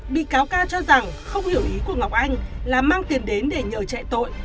bị cáo ca cho rằng không hiểu ý của ngọc anh là mang tiền đến để nhờ chạy tội